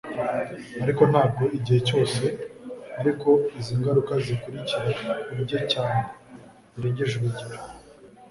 ariko ntabwo igihe cyose ari ko izi ngaruka zikurikira kurya cyane birengeje urugero